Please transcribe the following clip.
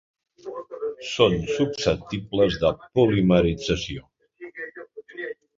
Són susceptibles de polimerització.